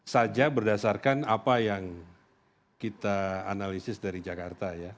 saja berdasarkan apa yang kita analisis dari jakarta ya